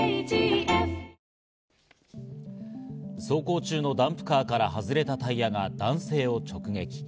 走行中のダンプカーから外れたタイヤが男性を直撃。